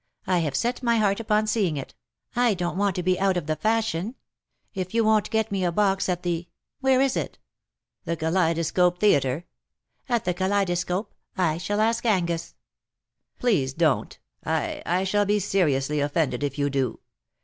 I have set my heart upon seeing it. I don't want to be out of the fashion. If you won't get me a box at the — where is it ?"" The Kaleidoscope Theatre." " At the Kaleidoscope ! I shall ask Angus." " Please don't. I — I shall be seriously offended if you do.